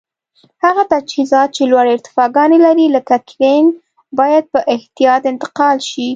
هغه تجهیزات چې لوړې ارتفاګانې لري لکه کرېن باید په احتیاط انتقال شي.